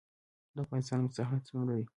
د افغانستان مساحت څومره دی؟